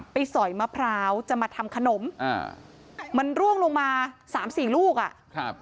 สอยมะพร้าวจะมาทำขนมอ่ามันร่วงลงมาสามสี่ลูกอ่ะครับ